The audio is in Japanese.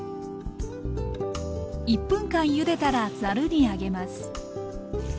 １分間ゆでたらざるに上げます。